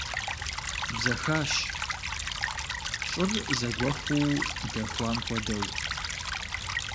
Бзэхащ, щӀыр зэгуэхуу дэхуам хуэдэу.